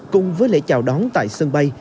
cùng với lễ chào đón tại sân bay